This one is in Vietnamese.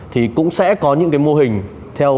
thì cũng sẽ có những cái mô hình